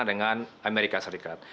dengan amerika serikat